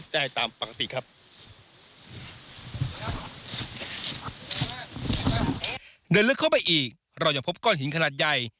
เดินลึกเข้าไปอีกเรายังพบก้อนหินขนาดใหญ่